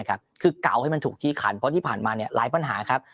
คือเก่าให้มันถูกที่คันเพราะที่ผ่านมาหลายปัญหาครับ